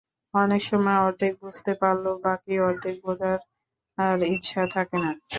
অনেক সময় অর্ধেক বুঝতে পারলেও বাকি অর্ধেক বোঝার ইচ্ছা থাকে না।